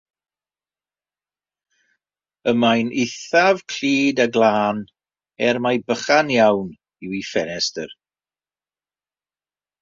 Y mae'n eithaf clyd a glân, er mai bychan iawn yw ei ffenestr.